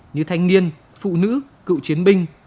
như thanh niên phụ nữ cựu chiến binh